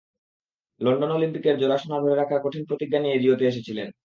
London অলিম্পিকের জোড়া সোনা ধরে রাখার কঠিন প্রতিজ্ঞা নিয়েই রিওতে এসেছিলেন।